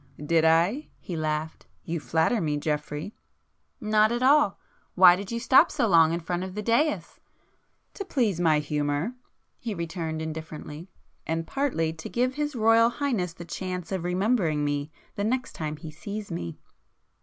"Did I?" He laughed. "You flatter me Geoffrey." "Not at all. Why did you stop so long in front of the daïs?" "To please my humour!" he returned indifferently—"And partly, to give his Royal Highness the chance of remembering me the next time he sees me."